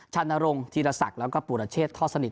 ชานรงคีรศักดิ์แล้วก็ปุรเชษทอดสนิท